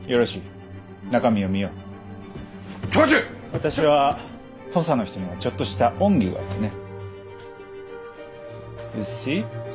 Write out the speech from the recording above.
私は土佐の人にはちょっとした恩義があってね。